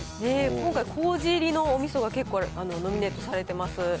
今回、こうじ入りのおみそが結構ノミネートされてます。